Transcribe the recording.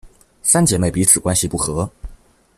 三姐妹彼此关系不和。